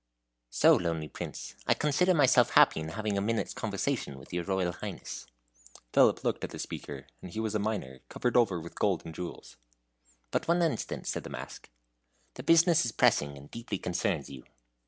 "So lonely, Prince! I consider myself happy in having a minute's conversation with your Royal Highness." Philip looked at the speaker; and he was a miner, covered over with gold and jewels. "But one instant," said the mask. "The business is pressing, and deeply concerns you."